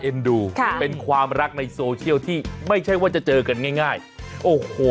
ดูค่ะเป็นความรักในโซเชียลที่ไม่ใช่ว่าจะเจอกันง่ายโอ้โห